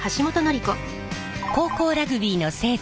高校ラグビーの聖地